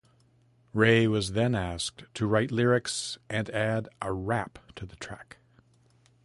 Ray was then asked to write lyrics and add a rap to the track.